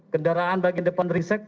kendaraan bagian depan